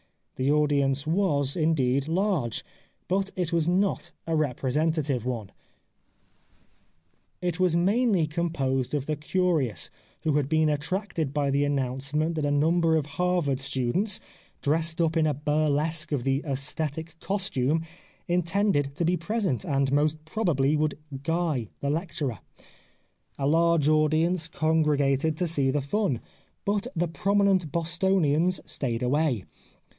The audience was, in deed, large, but it was not a representative one. It was mainly composed of the curious who had 201 The Life of Oscar Wilde been attracted by the announcement that a number of Harvard students, dressed up in a burlesque of the " aesthetic costume/' intended to be present, and most probably would " guy " the lecturer, A large audience congregated to see the fun, but the prominent Bostonians stayed away.